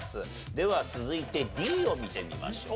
では続いてＤを見てみましょう。